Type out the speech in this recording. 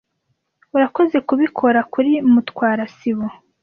Urakoze kubikora kuri Mutwara sibo.